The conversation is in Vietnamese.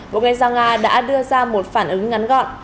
bộ ngoại giao nga đã đưa ra một phản ứng ngắn gọn